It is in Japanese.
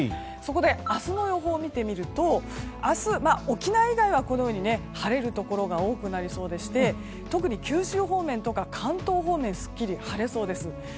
そこで、明日の予報を見てみると明日、沖縄以外は晴れるところが多くなりそうで特に九州方面とか関東方面すっきり晴れそうです。